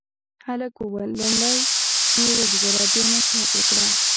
هلک وویل لومړی مې وژغوره بیا نصیحت وکړه.